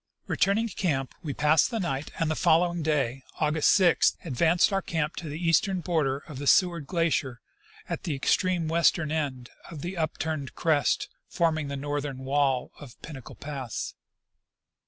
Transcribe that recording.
Returning to camp, we passed the night, and the following day, August 6, advanced our camp to the eastern border of the Seward glacier at the extreme western end of the upturned crest forming the northern wall of Pinnacle pass.